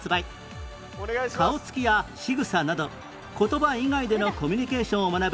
顔つきやしぐさなど言葉以外でのコミュニケーションを学ぶ